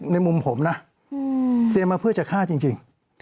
ในมุมผมนะเตรียมมาเพื่อจะฆ่าจริง